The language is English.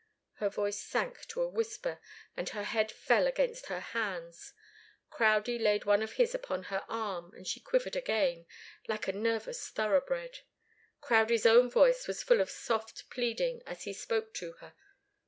Her voice sank to a whisper, and her head fell against her hands. Crowdie laid one of his upon her arm, and she quivered again, like a nervous thoroughbred. Crowdie's own voice was full of soft pleading as he spoke to her.